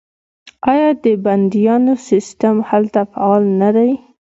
آیا د بنیادونو سیستم هلته فعال نه دی؟